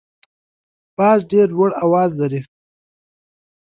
باز ډیر لوړ اواز لري